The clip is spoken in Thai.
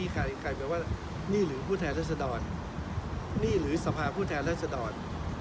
ใครบอกว่านี่หรือผู้แท้รัศดรนี่หรือสภาพผู้แท้รัศดร